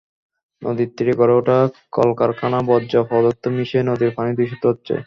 নদীর তীরে গড়ে ওঠা কলকারখানার বর্জ্য পদার্থ মিশে নদীর পানি দূষিত হচ্ছে।